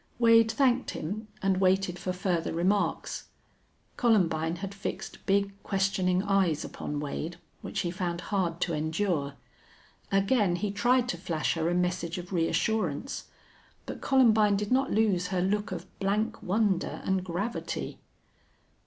Wade thanked him and waited for further remarks. Columbine had fixed big, questioning eyes upon Wade, which he found hard to endure. Again he tried to flash her a message of reassurance. But Columbine did not lose her look of blank wonder and gravity.